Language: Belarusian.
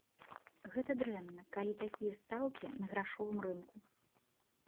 Гэта дрэнна, калі такія стаўкі на грашовым рынку.